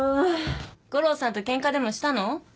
悟郎さんとケンカでもしたの？